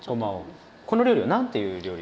この料理は何ていう料理？